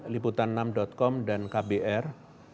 liputanam com dan kbr